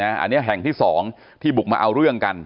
อันนี้แห่งที่๒ที่บุกมาเอาเรื่องกัน